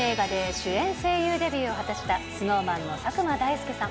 主演声優デビューを果たしたＳｎｏｗＭａｎの佐久間大介さん。